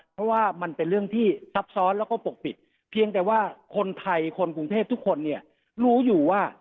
เพราะว่ามันเป็นเรื่องที่ซับซ้อนแล้วก็ปกปิดเพียงแต่ว่าคนไทยคนกรุงเทพทุกคนเนี่ยรู้อยู่ว่า